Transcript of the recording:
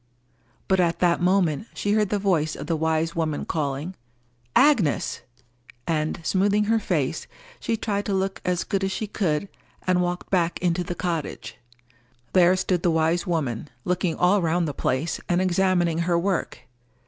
But at that moment, she heard the voice of the wise woman calling, "Agnes!" and, smoothing her face, she tried to look as good as she could, and walked back into the cottage. There stood the wise woman, looking all round the place, and examining her work.